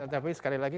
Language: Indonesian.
tapi sekali lagi